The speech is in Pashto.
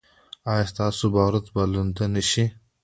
ایا ستاسو باروت به لوند نه شي؟